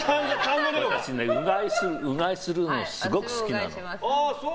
私ね、うがいするのすごく好きなの。